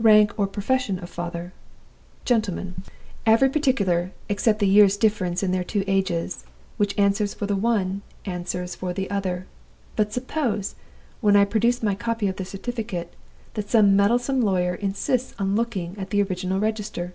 'Rank or Profession of Father' Gentleman. Every particular (except the year's difference in their two ages) which answers for the one answers for the other. But suppose, when I produce my copy of the certificate, that some meddlesome lawyer insists on looking at the original register?